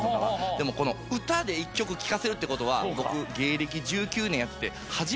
でもこの歌で１曲聞かせるってことは僕芸歴１９年やってて初めてだったんで。